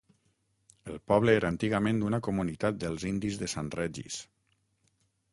El poble era antigament una comunitat del indis de Sant Regis.